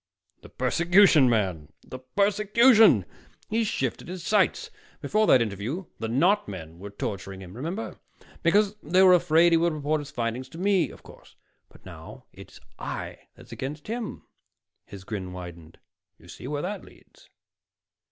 "The persecution, man, the persecution! He's shifted his sights! Before that interview, the not men were torturing him, remember? Because they were afraid he would report his findings to me, of course. But now it's I that's against him." The grin widened. "You see where that leads?"